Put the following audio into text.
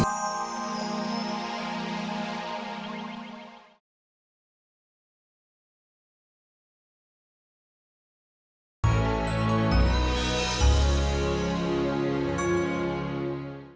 saya tidak bermaksud ikut campur dalam masalah ini bu yoyo